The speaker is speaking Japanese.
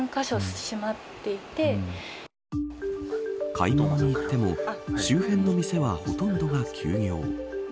買い物に行っても周辺の店はほとんどが休業。